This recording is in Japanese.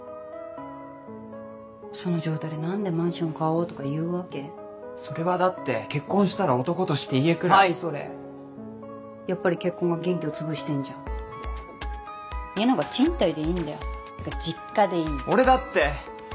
その状態で何で「マンション買おうそれはだって結婚したら男としてはいそれやっぱり結婚が元気をつぶしてんじゃ家なんか賃貸でいいんだよ実家でいい俺だって！